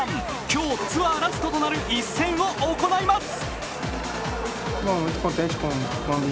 今日、ツアーラストとなる一戦を行います。